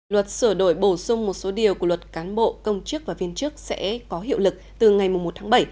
luật sửa đổi bổ sung một số điều của luật cán bộ công chức và viên chức sẽ có hiệu lực từ ngày một tháng bảy